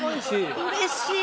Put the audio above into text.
うれしい。